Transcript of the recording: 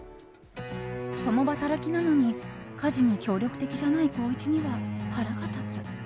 共働きなのに、家事に協力的じゃない孝一には腹が立つ。